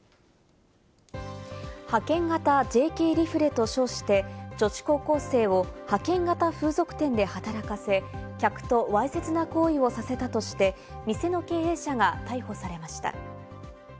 派遣型ＪＫリフレと称して、女子高校生を派遣型風俗店で働かせ、客とわいせつな行為をさせたとして店の経営者が逮捕されました。